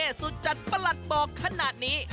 เฮ่สุจรรย์ประหลัดบอกขนาดนี้